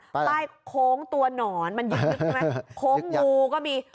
ป้ายโค้งตัวหนอนมันยึดโค้งงูก็มี